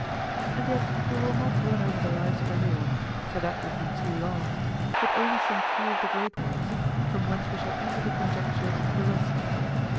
And yet we will not run over the lives of everyone, for that would be too long, but only some few of the great ones, from whence we shall easily conjecture the rest.